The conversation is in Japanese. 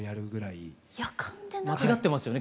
間違ってますよね